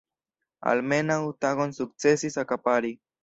Almenaŭ tagon sukcesis akapari.